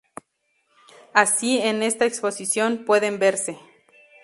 Así en esta exposición pueden verse